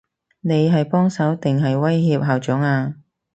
你係幫手，定係威脅校長啊？